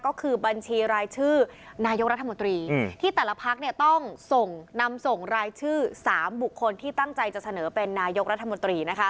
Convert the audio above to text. ก็คือบัญชีรายชื่อนายกรัฐมนตรีที่แต่ละพักต้องส่งนำส่งรายชื่อ๓บุคคลที่ตั้งใจจะเสนอเป็นนายกรัฐมนตรี